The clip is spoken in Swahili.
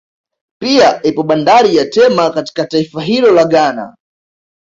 Pia ipo bandari ya Tema katika taifa hilo la Ghana